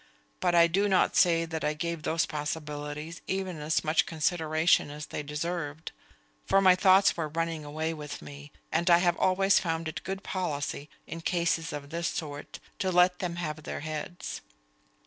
But I do not say that I gave those possibilities even as much consideration as they deserved; for my thoughts were running away with me; and I have always found it good policy, in cases of this sort, to let them have their heads.